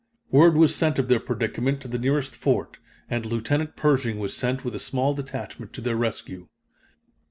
Word was sent of their predicament to the nearest fort, and Lieutenant Pershing was sent with a small detachment to their rescue.